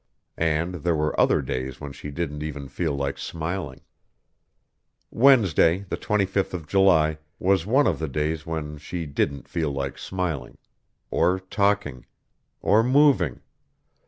And there were other days when she didn't even feel like smiling. Wednesday, the 25th of July, was one of the days when she didn't feel like smiling. Or talking. Or moving.